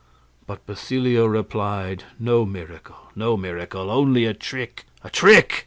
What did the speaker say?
But Basilio replied, "No miracle, no miracle; only a trick, a trick!"